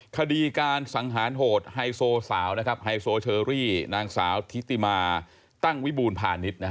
คดีการสังหารโหดไฮโซเชอรี่นางสาวธิติมาตั้งวิบูรณ์ผ่านนิด